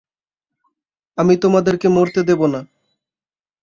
আমি তোমাদের মরতে দেব না!